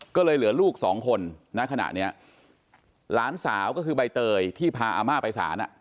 ก็เลยเหลือลูกสองคนนะขณะเนี้ยหลานสาวก็คือใบเตยที่พาอาม่าไปสาร